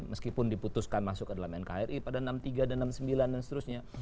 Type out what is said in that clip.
meskipun diputuskan masuk ke dalam nkri pada enam puluh tiga dan enam puluh sembilan dan seterusnya